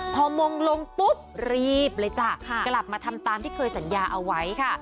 พอมงลงปุ๊บรีบเลยจ้ะกลับมาทำตามที่เคยสัญญาเอาไว้ค่ะ